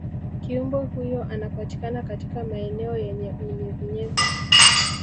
kiumbe huyo anapatikana katika maeneo yenye unyevunyevu